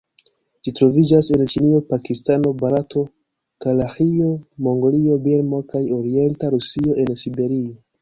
Ĝi troviĝas en Ĉinio, Pakistano, Barato, Kazaĥio, Mongolio, Birmo kaj orienta Rusio en Siberio.